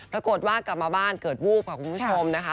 ปรากฏว่ากลับมาบ้านเกิดวูบค่ะคุณผู้ชมนะคะ